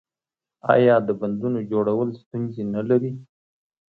آیا د بندونو جوړول ستونزې نلري؟